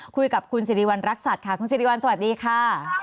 คุยกับคุณสิริวัณรักษัตริย์ค่ะคุณสิริวัลสวัสดีค่ะ